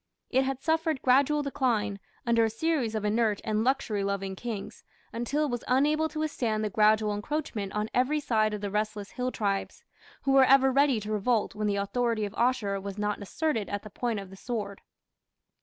It had suffered gradual decline, under a series of inert and luxury loving kings, until it was unable to withstand the gradual encroachment on every side of the restless hill tribes, who were ever ready to revolt when the authority of Ashur was not asserted at the point of the sword.